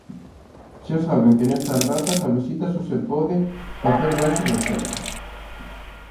Xa saben que nestas datas a visita só se pode facer baixo reserva.